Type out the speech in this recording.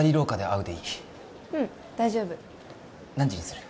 うん大丈夫何時にする？